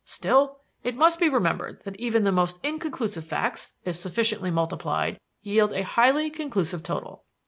Still, it must be remembered that even the most inconclusive facts, if sufficiently multiplied, yield a highly conclusive total.